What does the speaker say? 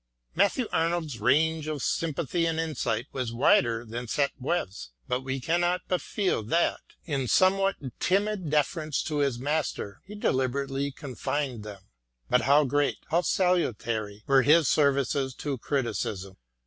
Matthew Arnold's range of sym pathy and insight was wider than Sainte Beuve's, but we cannot but feel that, in somewhat timid 196 MATTHEW ARNOLD deference to his master, he deliberately confined them. But how great, how salutary were his services to criticism.